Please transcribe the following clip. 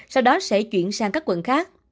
sau đó sẽ chuyển sang các quận khác